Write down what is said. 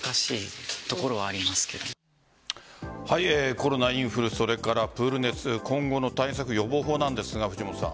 コロナ、インフルそれからプール熱今後の対策・予防法なんですが藤本さん。